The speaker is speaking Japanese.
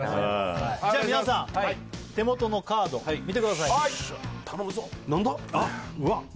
じゃあ皆さん手元のカード見てください頼むぞっ